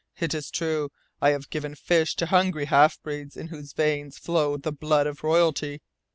It is true. I have given fish to hungry half breeds in whose veins flows the blood of royalty.